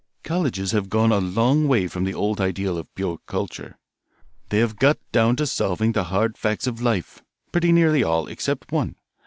"Colleges have gone a long way from the old ideal of pure culture. They have got down to solving the hard facts of life pretty nearly all, except one.